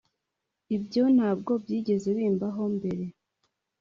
Ibyo ntabwo byigeze bimbaho mbere